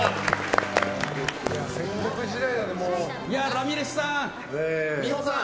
ラミレスさん、美保さん